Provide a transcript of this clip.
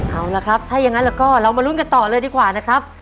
เอาละครับถ้าอย่างนั้นแล้วก็เรามาลุ้นกันต่อเลยดีกว่านะครับ